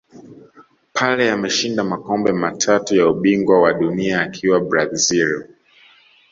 pele ameshinda makombe matatu ya ubingwa wa dunia akiwa na brazil